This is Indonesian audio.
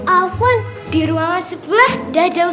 alvan di ruangan sebelah dada ustazah nuyu ya